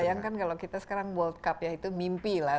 bayangkan kalau kita sekarang world cup ya itu mimpi lah